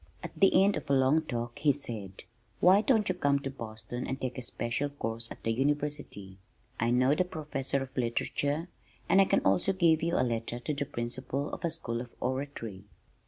At the end of a long talk he said, "Why don't you come to Boston and take a special course at the University? I know the Professor of Literature, and I can also give you a letter to the principal of a school of Oratory."